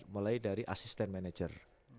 mulai dari asisten manajer